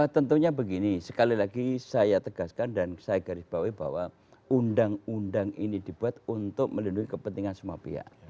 tentunya begini sekali lagi saya tegaskan dan saya garis bawahi bahwa undang undang ini dibuat untuk melindungi kepentingan semua pihak